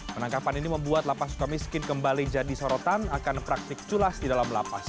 penangkapan ini membuat lapas suka miskin kembali jadi sorotan akan praktik culas di dalam lapas